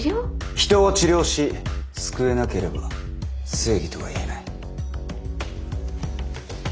人を治療し救えなければ正義とはいえない。